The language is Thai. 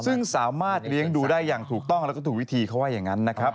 ซึ่งสามารถเลี้ยงดูได้อย่างถูกต้องแล้วก็ถูกวิธีเขาว่าอย่างนั้นนะครับ